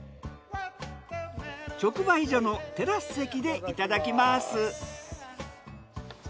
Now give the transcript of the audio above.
直売所のテラス席でいただきます。